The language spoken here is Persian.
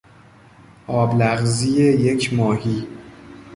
آب لغزی یک ماهی